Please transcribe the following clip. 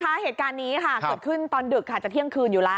เหตุการณ์นี้ค่ะเกิดขึ้นตอนดึกค่ะจะเที่ยงคืนอยู่แล้ว